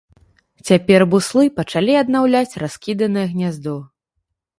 Цяпер буслы пачалі аднаўляць раскіданае гняздо.